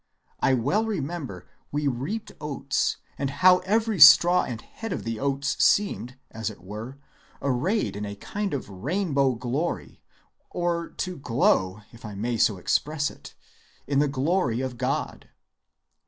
I well remember we reaped oats, and how every straw and head of the oats seemed, as it were, arrayed in a kind of rainbow glory, or to glow, if I may so express it, in the glory of God."